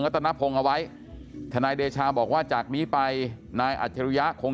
มึงตะนะคะคนเอาไว้ทนายเดชาบอกว่าจากนี้ไปนายาธิริยะคง